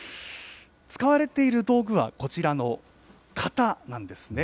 使われている道具はこちらの型なんですね。